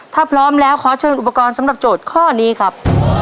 ถ้าพร้อมแล้วขอเชิญอุปกรณ์สำหรับโจทย์ข้อนี้ครับ